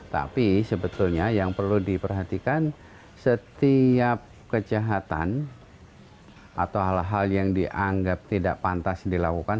tapi sebetulnya yang perlu diperhatikan setiap kejahatan atau hal hal yang dianggap tidak pantas dilakukan